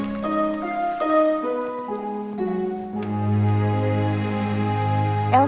tidak ada apa apa